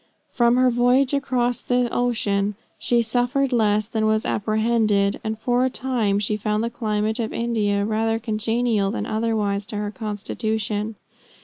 From her voyage across the ocean she suffered less than was apprehended, and for a time she found the climate of India rather congenial than otherwise to her constitution.